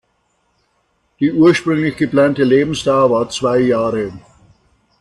Die ursprünglich geplante Lebensdauer war zwei Jahre.